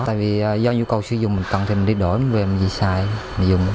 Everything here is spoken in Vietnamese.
tại vì do nhu cầu sử dụng mình cần thêm đi đổi mình vừa xài mình dùng